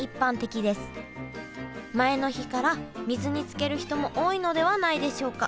前の日から水につける人も多いのではないでしょうか。